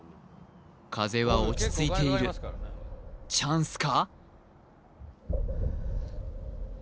風は落ち着いているチャンスか？